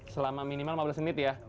selama minimal lima belas menit ya